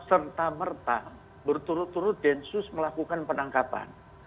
serta merta berturut turut densus melakukan penangkapan